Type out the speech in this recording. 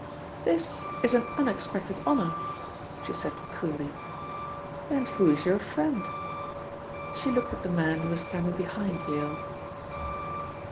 "This is an unexpected honour," she said coolly, "and who is your friend?" She looked at the man who was standing behind Yale.